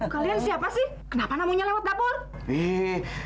kalian siapa sih kenapa namanya lewat dapur